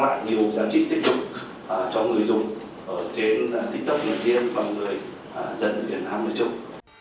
để tiktok được diễn bằng người dân việt nam